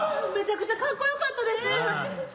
めちゃくちゃ格好よかったです。